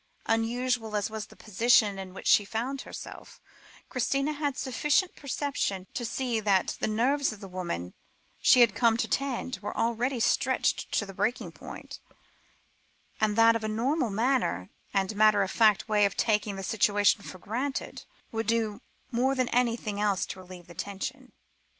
Unusual as was the position in which she found herself, Christina had sufficient perception to see that the nerves of the woman she had come to tend, were already stretched to breaking point, and that a normal manner, and matter of fact way of taking the situation for granted, would do more than anything else to relieve the tension.